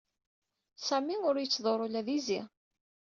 Sami ur yettḍurru ula d izi.